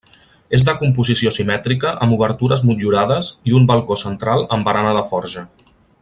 És de composició simètrica amb obertures motllurades i un bacó central amb barana de forja.